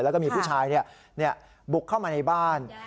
แล้วก็มีผู้ชายบุกเข้ามาในบ้าน